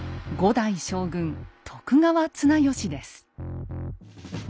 代将軍徳川綱吉です。